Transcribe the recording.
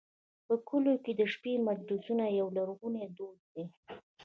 په کلیو کې د شپې مجلسونه یو لرغونی دود دی.